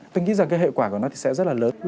tôi nghĩ rằng cái hệ quả của nó thì sẽ rất là lớn